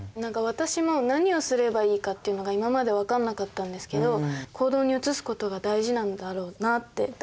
私も何をすればいいかっていうのが今まで分かんなかったんですけど行動に移すことが大事なんだろうなって。